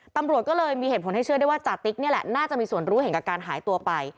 ตำรวจก็เลยมีเหตุผลให้เชื่อได้ว่าจาติ๊กนี่แหละน่าจะมีส่วนรู้เห็นกับการหายตัวไป